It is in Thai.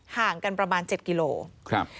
ห่างกันประมาณ๗กิโลกรัม